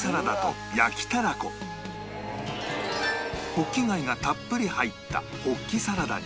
ホッキ貝がたっぷり入ったホッキサラダに